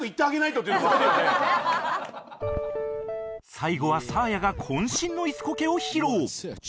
最後はサーヤが渾身の椅子コケを披露